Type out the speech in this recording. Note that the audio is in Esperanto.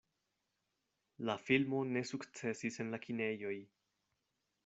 La filmo ne sukcesis en la kinejoj.